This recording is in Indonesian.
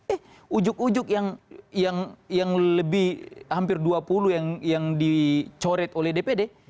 eh ujug ujug yang lebih hampir dua puluh yang dicoret oleh dpr